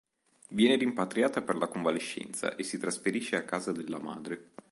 Viene rimpatriata per la convalescenza e si trasferisce a casa della madre.